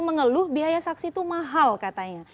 mengeluh biaya saksi itu mahal katanya